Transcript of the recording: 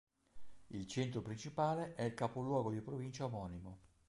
Il centro principale è il capoluogo di provincia omonimo.